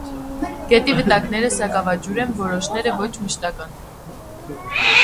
Գետի վտակները սակավաջուր են, որոշները՝ ոչ մշտական։